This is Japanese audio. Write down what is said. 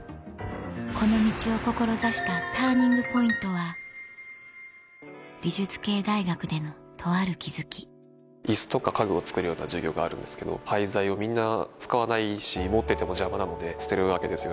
この道を志したＴＵＲＮＩＮＧＰＯＩＮＴは美術系大学でのとある気付き椅子とか家具を作るような授業があるんですけど廃材をみんな使わないし持ってても邪魔なので捨てるわけですよね。